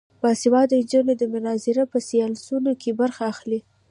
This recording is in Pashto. باسواده نجونې د مناظرې په سیالیو کې برخه اخلي.